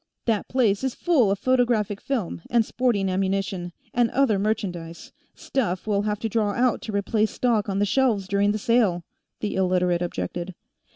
"That place is full of photographic film, and sporting ammunition, and other merchandise; stuff we'll have to draw out to replace stock on the shelves during the sale," the Illiterate objected.